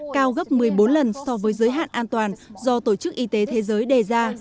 cao gấp một mươi bốn lần so với giới hạn an toàn do tổ chức y tế thế giới đề ra